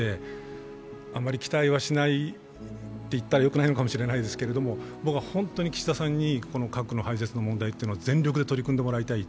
あんまり期待はしないと言ったらよくないのかもしれないですけど、僕は本当に岸田さんに核の廃絶の問題というのは全力で取り組んでもらいたい。